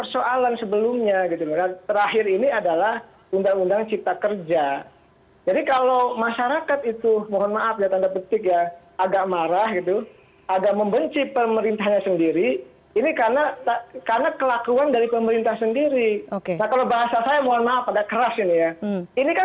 selain itu presiden judicial review ke mahkamah konstitusi juga masih menjadi pilihan pp muhammadiyah